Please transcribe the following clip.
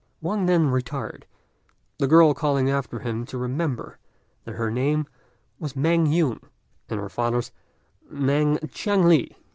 Wang then retired, the girl calling after him to remember that her name was Mêng Yün, and her father's Mêng Chiang li.